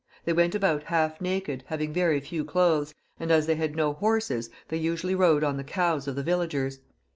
They went about half naked, having very few clothes, and as they had no horses, they usually rode on the cows of the villagers.